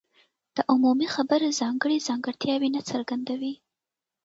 دا عمومي خبره ځانګړي ځانګړتیاوې نه څرګندوي.